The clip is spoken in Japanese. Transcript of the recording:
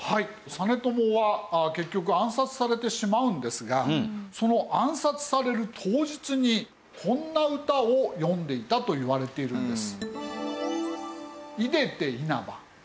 実朝は結局暗殺されてしまうんですがその暗殺される当日にこんな歌を詠んでいたといわれているんです。